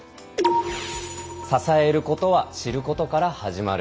支えることは知ることから始まる。